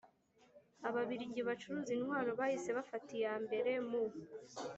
ababiligi bacuruza intwaro bahise bafata iya mbere mu